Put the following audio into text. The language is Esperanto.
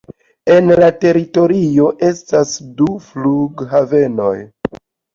En la teritorio estas du flughavenoj.